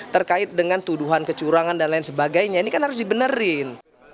terkait dengan tuduhan kecurangan dan lain sebagainya ini kan harus dibenerin